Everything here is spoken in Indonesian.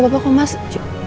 jangan aku hari main